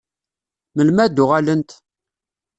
Melmi ad d-uɣalent?